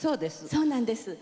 そうなんです。